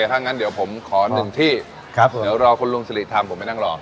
ถ้างั้นเดี๋ยวผมขอหนึ่งที่เดี๋ยวรอคุณลุงสิริทำผมไปนั่งรอ